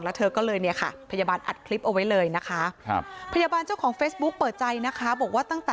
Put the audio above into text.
แล้วเธอก็เลยภัยบาลอัดคลิปเอาไว้นะคะ